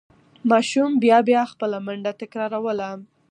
ماشوم بیا بیا خپله منډه تکراروله.